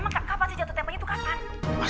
emang kapan sih jatuh temponya itu kapan